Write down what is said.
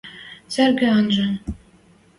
цырге анжа